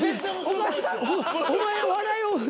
お前笑いを。